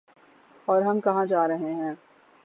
اورہم کہاں جارہے ہیں؟